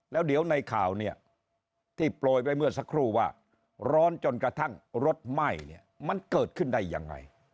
แล้วเดี๋ยวในข่าวเนี่ยที่โปรยไปเมื่อสักครู่ว่าร้อนจนกระทั่งรถไหม้เนี่ยมันเกิดขึ้นได้ยังไง